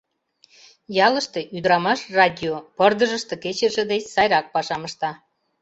Ялыште ӱдырамаш радио пырдыжыште кечыше деч сайрак пашам ышта.